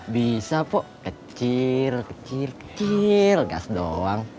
bisa po kecil kecil kecil gas doang